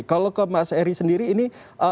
kalau ke mas eri sendiri ini